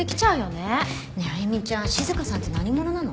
ねえ歩ちゃん静さんって何者なの？